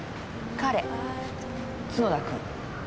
彼角田君。